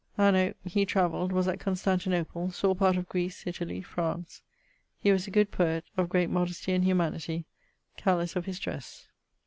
Anno ..., he travelled; was at Constantinople; sawe part of Graece, Italie, France. He was a good poet, of great modestie and humanity, careles of his dresse.